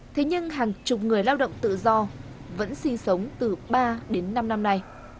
thế nhưng hàng chục người lao động tự do vẫn sinh sống từ ba đến năm năm nay